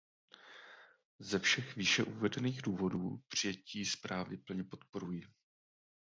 Ze všech výše uvedených důvodů přijetí zprávy plně podporuji.